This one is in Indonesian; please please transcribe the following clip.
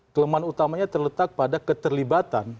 kelemahan utamanya terletak pada keterlibatan